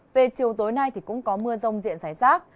về chiều tối nay cũng có mưa rông diện giải rác